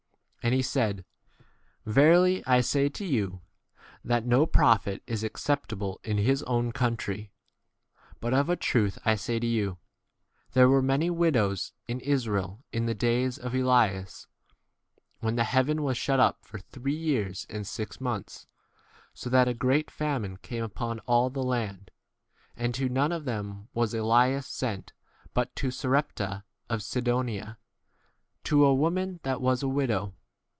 And he said, Verily I say to you, that no prophet is acceptable in his [own] country. 25 But of a truth I say to you, There were many widows in Israel in the days of Elias, when the heaven was shut up for three years and six months, so that a great famine 26 came upon all the land, and to none of them was EHas sent but to Sarepta of Sidonia, h to a wo 2 ? man [that was] a widow.